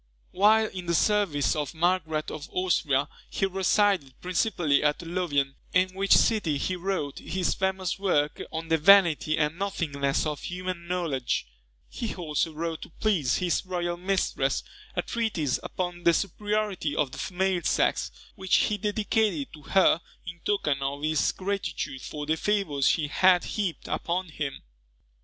While in the service of Margaret of Austria, he resided principally at Louvain, in which city he wrote his famous work on the Vanity and Nothingness of Human Knowledge. He also wrote to please his royal mistress, a treatise upon the Superiority of the Female Sex, which he dedicated to her in token of his gratitude for the favours she had heaped upon him.